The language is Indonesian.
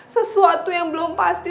sesuatu yang belum pasti